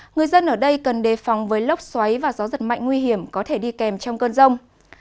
người dân ở đây cần đề phòng với lốc xoáy và gió giật mạnh nguy hiểm có thể đi kèm trong cơn rông